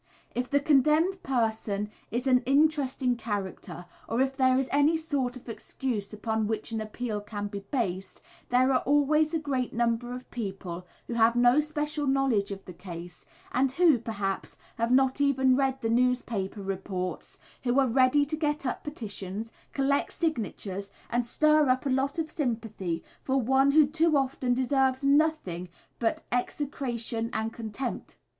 If the condemned person is an interesting character, or if there is any sort of excuse upon which an appeal can be based, there are always a great number of people who have no special knowledge of the case, and who, perhaps, have not even read the newspaper reports, who are ready to get up petitions, collect signatures, and stir up a lot of sympathy for one who too often deserves nothing but execration and contempt.